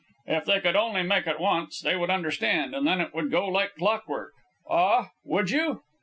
"If they could only make it once, they would understand, and then it would go like clock work. Ah! Would you?